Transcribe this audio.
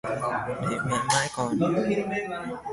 Để mẹ mãi còn